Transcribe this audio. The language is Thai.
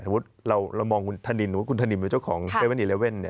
สมมุติเรามองคุณธนินว่าคุณธนินเป็นเจ้าของ๗๑๑เนี่ย